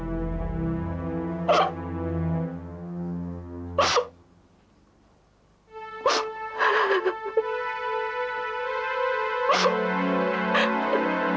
aku akan melahirkan kamu